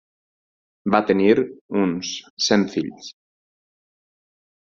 Va tenir uns cent fills.